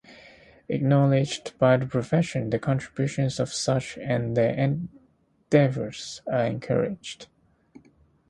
Acknowledged by the profession, the contributions of such and their endeavors are encouraged.